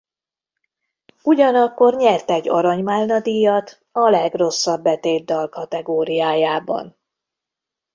Ugyanakkor nyert egy Arany Málna díjat a legrosszabb betétdal kategóriájában.